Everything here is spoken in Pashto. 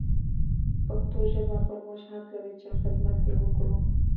پښتو ژبه پر موږ حق لري چې حدمت يې وکړو.